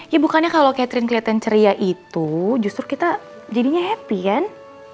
ya bukannya kalau catherine kelihatan ceria itu justru kita jadinya happy kan